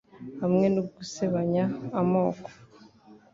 hamwe no gusebanya amoko